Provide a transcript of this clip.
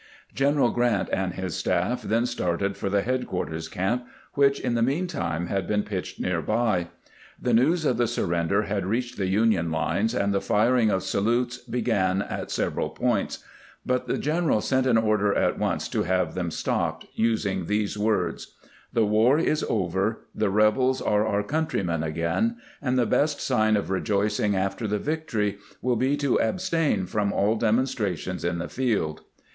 G eneral Grant and his staff then started for the head quarters camp, which, in the mean time, had been pitched near by. The news of the surrender had reached the Union lines, and the firing of salutes began at several points; but the general sent an order at once to have them stopped, using these words: "The war is over; the rebels are our countrymen again ; and the best sign of rejoicing after the victory will be to abstain from all demonstrations in the field."